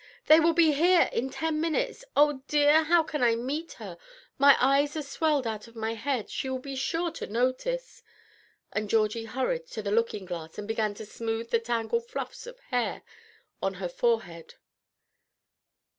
They will be here in ten minutes. Oh, dear! how can I meet her? My eyes are swelled out of my head. She will be sure to notice." And Georgie hurried to the looking glass, and began to smooth the tangled fluffs of hair on her forehead.